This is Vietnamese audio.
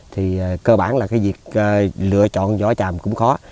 thì cơ bản là cái việc lựa chọn vỏ tràm cũng khó